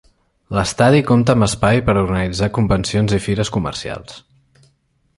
L'estadi compta amb espai per organitzar convencions i fires comercials.